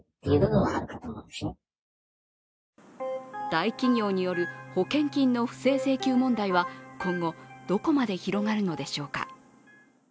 大企業による保険金の不正請求問題は今後どこまで広がるのでしょうか。